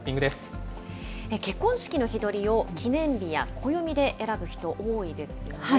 結婚式の日取りを、記念日や暦で選ぶ人、多いですよね。